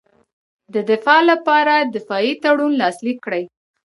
د دفاع لپاره دفاعي تړون لاسلیک کړي.